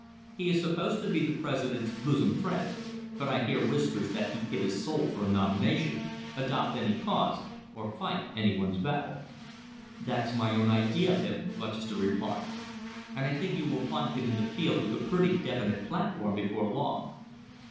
He is supposed to be the President's bosom friend, but I hear whispers that he'd give his soul for a nomination, adopt any cause or fight any one's battle." "That's my own idea of him," Lutchester replied, "and I think you will find him in the field with a pretty definite platform before long."